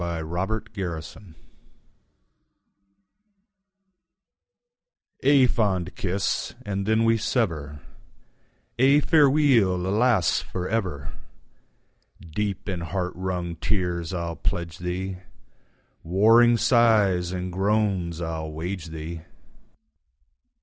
360 . Song—Ae fond Kiss AE fond kiss, and then we sever; Ae fareweel, alas, for ever! Deep in heart wrung tears I'll pledge thee, Warring sighs and groans I'll wage thee.